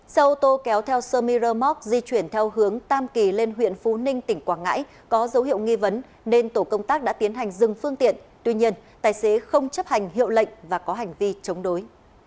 xe ô tô kéo theo sơ mi rơ móc di chuyển theo hướng tam kỳ lên huyện phú ninh tỉnh quảng ngãi có dấu hiệu nghi vấn nên tổ công tác đã tiến hành dừng phương tiện tuy nhiên tài xế không chấp hành hiệu lệnh và có hành vi chống đối